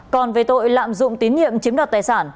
còn về tội lạm dụng tín nhiệm chiếm đoạt tài sản